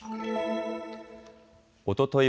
おととい